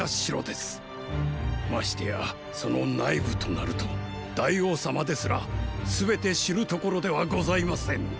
ましてやその内部となると大王様ですら全て知るところではございませぬ！